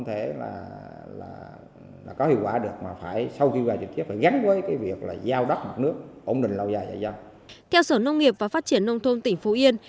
theo sở nông nghiệp và phát triển nông thôn tỉnh phú yên